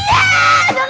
dengarkan lo semuanya